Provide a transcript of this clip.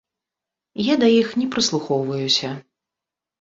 Я да іх не прыслухоўваюся.